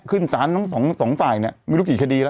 ขึ้นสารทั้งสองฝ่ายเนี่ยไม่รู้กี่คดีแล้ว